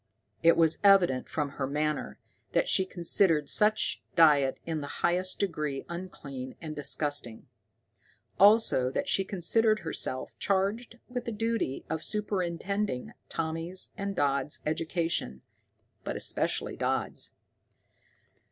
It was evident from her manner that she considered such diet in the highest degree unclean and disgusting; also that she considered herself charged with the duty of superintending Tommy's and Dodd's education, but especially Dodd's.